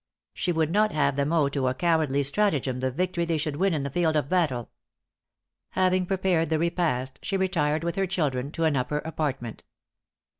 She would not have them owe to a cowardly stratagem the victory they should win in the field of battle. Having prepared the repast, she retired with her children to an upper apartment.